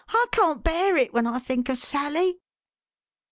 " I can't bear it, when I think of Sally."